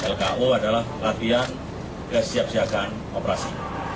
lko adalah latihan kesiapsiagaan operasi